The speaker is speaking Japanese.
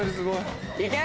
いけ！